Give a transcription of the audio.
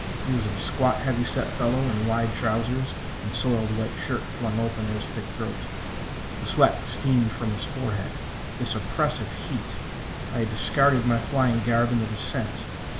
He was a squat, heavy set fellow in wide trousers and soiled white shirt flung open at his thick throat. The sweat streamed from his forehead. This oppressive heat! I had discarded my flying garb in the descent.